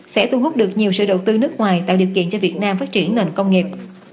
sẽ thu hút được nhiều sự đầu tư nước ngoài tạo điều kiện cho việt nam phát triển nền công nghiệp